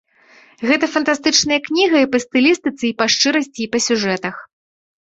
Гэта фантастычная кніга і па стылістыцы, і па шчырасці, і па сюжэтах.